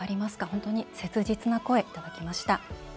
本当に切実な声、いただきました。